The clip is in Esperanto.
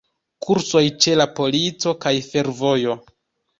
Kursoj ĉe la polico kaj fervojo.